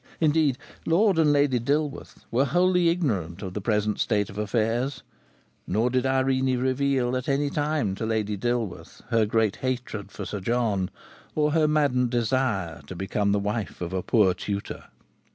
Indeed, Lord and Lady Dilworth were wholly ignorant of the present state of affairs, nor did Irene reveal at any time to Lady Dilworth her great hatred for Sir John, or her maddened desire to become the wife of a poor tutor.